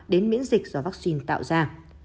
đến miễn dịch do vaccine tạo ra